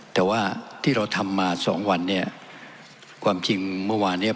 แต่ว่าที่เราทำมาสองวันเนี่ยความจริงเมื่อวานเนี้ย